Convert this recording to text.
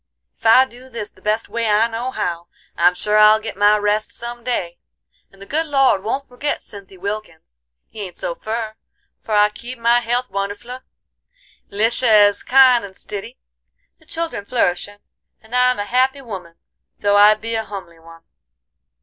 Ef I do this the best way I know how, I'm sure I'll get my rest some day, and the good Lord won't forgit Cynthy Wilkins. He ain't so fur, for I keep my health wonderfle, Lisha is kind and stiddy, the children flourishin', and I'm a happy woman though I be a humly one."